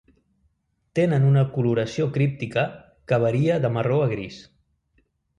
Tenen una coloració críptica que varia de marró a gris.